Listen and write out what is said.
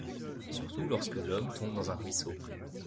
Surtout lorsque l'homme tombe dans un ruisseau.